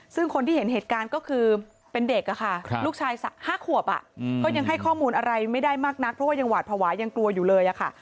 ซึ่งคนที่เห็นเหตุการณ์ก็คือเป็นเด็กค่ะลูกชาย๕ขวบก็ยังให้ข้อมูลอะไรไม่ได้มากนักเพราะว่ายังหวาดภาวะยังกลัวอยู่เลยค่ะ